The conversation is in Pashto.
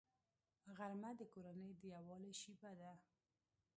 غرمه د کورنۍ د یووالي شیبه ده